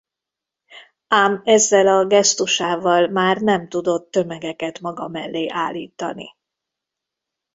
Ám ezzel a gesztusával már nem tudott tömegeket maga mellé állítani.